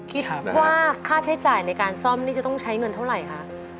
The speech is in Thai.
คิดว่าค่าใช้จ่ายในการซ่อมนี่จะต้องใช้เงินเท่าไหร่คะ